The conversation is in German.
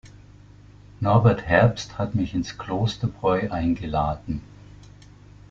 Norbert Herbst hat mich ins Klosterbräu eingeladen.